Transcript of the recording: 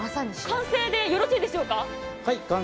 完成でよろしいでしょうか？